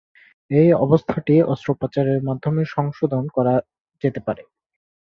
এই অবস্থাটি অস্ত্রোপচারের মাধ্যমে সংশোধন করা যেতে পারে।